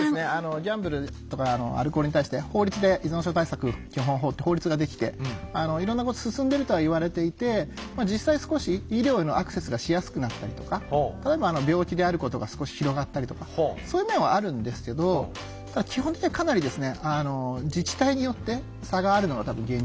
ギャンブルとかアルコールに対して法律で依存症対策基本法って法律ができていろんなこと進んでるとは言われていて実際少し医療へのアクセスがしやすくなったりとか例えば病気であることが少し広がったりとかそういう面はあるんですけどただそうなんですか。